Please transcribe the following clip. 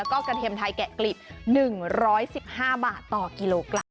ก็กระเทียมไทยแกะกลิบ๑๑๕บาทต่อกิโลกรัม